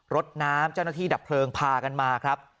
รถน้ำเจ้าหน้าที่ดับเพลิงพากันมาครับ